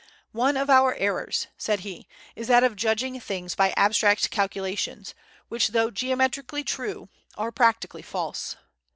"One of our errors," said he, "is that of judging things by abstract calculations, which though geometrically true, are practically false."